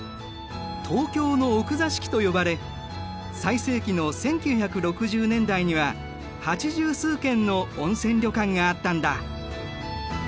東京の奥座敷と呼ばれ最盛期の１９６０年代には八十数軒の温泉旅館があったんだ。